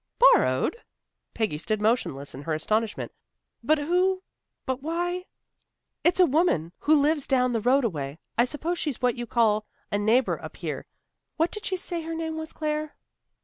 "Borrowed!" Peggy stood motionless in her astonishment. "But who but why " "It's a woman who lives down the road a way. I suppose she's what you call a neighbor up here. What did she say her name was, Claire?"